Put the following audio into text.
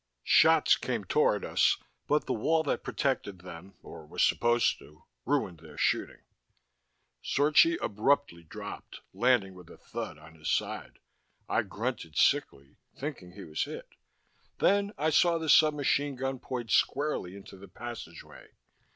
Shots came toward us, but the wall that protected them or was supposed to ruined their shooting. Zorchi abruptly dropped, landing with a thud on his side. I grunted sickly, thinking he was hit. Then I saw the sub machine gun point squarely into the passageway.